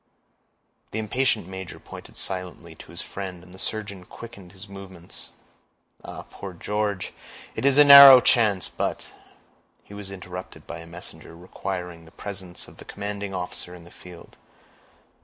The impatient major pointed silently to his friend, and the surgeon quickened his movements. "Ah! poor George, it is a narrow chance; but"—he was interrupted by a messenger requiring the presence of the commanding officer in the field.